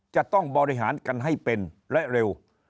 จะต้องบริหารกันให้เป็นและเร็ว